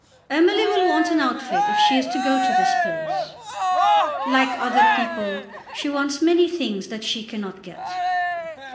"Emily will want an outfit if she is to go to this place." "Like other people she wants many things that she cannot get."